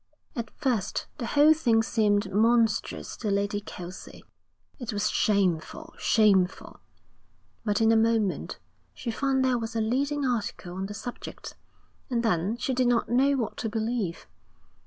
At first the whole thing seemed monstrous to Lady Kelsey, it was shameful, shameful; but in a moment she found there was a leading article on the subject, and then she did not know what to believe.